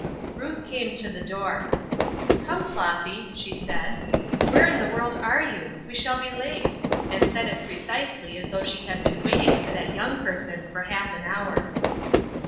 Ruth came to the door. "Come, Flossy," she said; "where in the world are you? We shall be late." And said it precisely as though she had been waiting for that young person for half an hour.